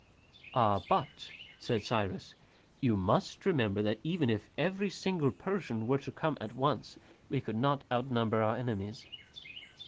"Ah, but," said Cyrus, "you must remember that even if every single Persian were to come at once, we could not outnumber our enemies."